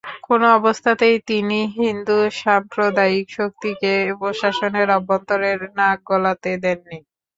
কোনো অবস্থাতেই তিনি হিন্দু সাম্প্রদায়িক শক্তিকে প্রশাসনের অভ্যন্তরে নাক গলাতে দেননি।